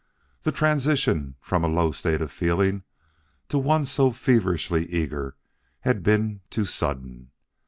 The transition from a low state of feeling to one so feverishly eager had been too sudden.